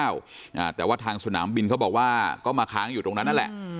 อ่าแต่ว่าทางสนามบินเขาบอกว่าก็มาค้างอยู่ตรงนั้นนั่นแหละอืม